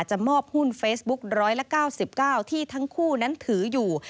มอบหุ้นเฟซบุ๊ก๑๙๙ที่ทั้งคู่นั้นถืออยู่